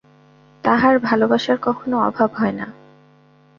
তাঁহার ভালবাসার কখনও অভাব হয় না।